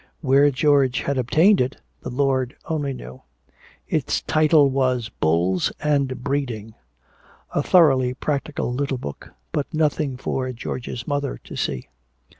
Where George had obtained it, the Lord only knew. Its title was "Bulls and Breeding." A thoroughly practical little book, but nothing for George's mother to see.